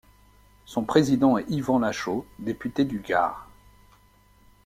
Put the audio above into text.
Son président est Yvan Lachaud, député du Gard.